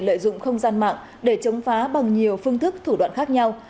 lợi dụng không gian mạng để chống phá bằng nhiều phương thức thủ đoạn khác nhau